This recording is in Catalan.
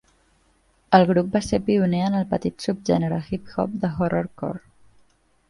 El grup va ser pioner en el petit subgènere hip-hop de horrorcore.